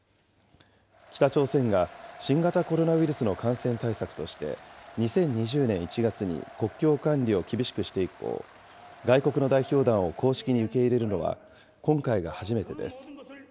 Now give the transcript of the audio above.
北朝鮮が新型コロナウイルスの感染対策として、２０２０年１月に国境管理を厳しくして以降、外国の代表団を公式に受け入れるのは今回が初めてです。